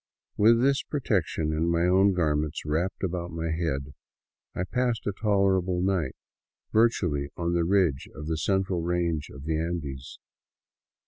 With this protection, and my own garments wrapped about my head, I passed a tolerable night, virtually on the ridge of the central range of the Andes.